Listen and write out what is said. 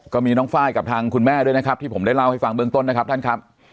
ก็มีน้องไฟล์กับทางคุณแม่ด้วยนะครับที่ผมได้เล่าให้ฟังเบื้องต้นนะครับท่านครับ